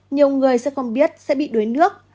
nhiều người sẽ không biết sẽ bị đuối nước